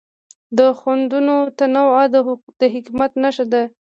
د خوندونو تنوع د حکمت نښه ده.